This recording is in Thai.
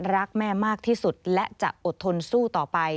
รักแม่มากที่สุดและจะอดทนสู้ต่อไป